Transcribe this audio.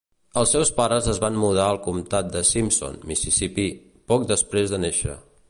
Els seus pares es van mudar al comtat de Simpson, Mississipí, poc després de néixer.